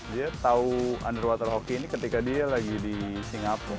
dia tahu underwater hoki ini ketika dia lagi di singapura